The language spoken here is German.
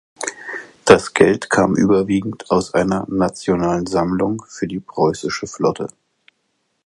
Das Geld kam überwiegend aus einer „nationalen Sammlung für die preußische Flotte“.